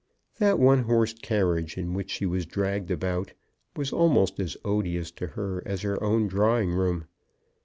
That one horse carriage in which she was dragged about, was almost as odious to her as her own drawing room.